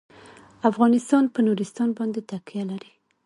افغانستان په نورستان باندې تکیه لري.